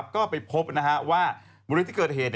ก็ไปพบว่าบริเวณที่เกิดเหตุ